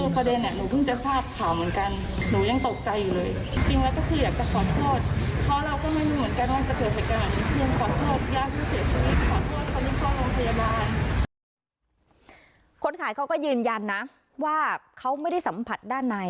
คนขายเขาก็ยืนยันนะว่าเขาไม่ได้สัมผัสด้านใน